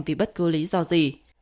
vì bất cứ lý do gì